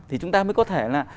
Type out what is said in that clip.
thì chúng ta mới có thể là